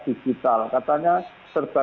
digital katanya serba